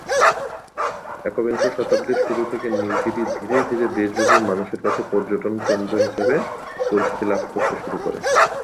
একবিংশ শতাব্দীর শুরু থেকে নীলগিরি ধীরে ধীরে দেশব্যাপী মানুষের কাছে পর্যটন কেন্দ্র হিসাবে পরিচিতি লাভ করতে শুরু করে।